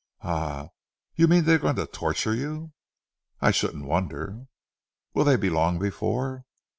"Ah! You mean they are going to torture you?" "I shouldn't wonder!" "Will they be long before